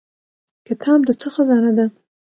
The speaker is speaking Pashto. کتاب د څه خزانه ده؟